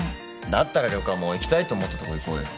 だったら旅館も行きたいと思ったとこ行こうよ。